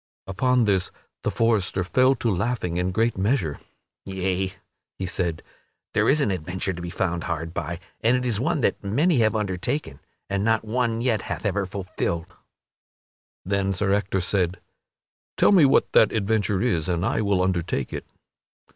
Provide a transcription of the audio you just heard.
Upon this the forester fell to laughing in great measure. "Yea," he said, "there is an adventure to be found hard by and it is one that many have undertaken and not one yet hath ever fulfilled." Then Sir Ector said, "Tell me what that adventure is and I will undertake it."